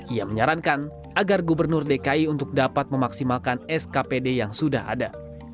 ia menyarankan agar gubernur dki untuk dapat memaksimalkan skpd yang sudah ada